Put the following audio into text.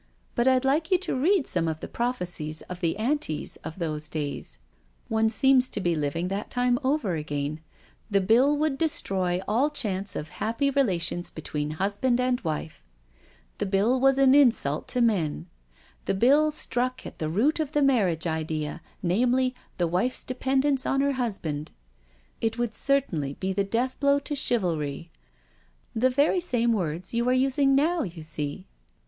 But I'd like you to read some of the prophecies of the Anti*s of those days. One seems to be living that time over again. ' The Bill would destroy all chance of happy relations between husband and wife '—* the Bill was an insult to men — the Bill struck at the root of the marriage idea, namely, the wife's dependence on her husband '—' it would certainly be the death blow to chivalry '— the very same words you are using now, you see."